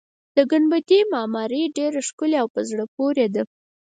د ګنبدې معمارۍ ډېره ښکلې او په زړه پورې ده.